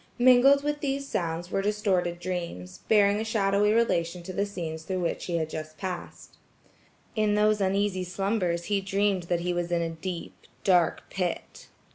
Mingled with these sounds were distorted dreams–bearing a shadowy relation to the scenes through which he had just passed. In those uneasy slumbers he dreamed that he was in a deep, dark pit.